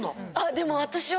でも私は。